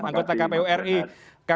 anggota kpu ri terima kasih banyak